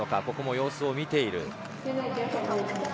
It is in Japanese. ここも様子を見ている。